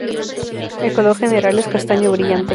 El color general es castaño brillante.